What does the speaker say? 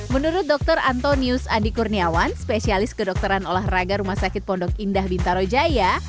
menurut dr antonius andi kurniawan spesialis kedokteran olahraga rumah sakit pondok indah bintaro jaya